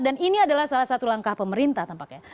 dan ini adalah salah satu langkah pemerintah tampaknya